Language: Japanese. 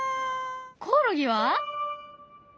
コオロギは？